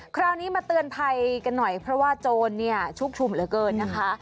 คราวนี้มาเตือนภัยกันหน่อยเพราะว่าโจรเนี่ยชุกชุมเหลือเกินนะคะ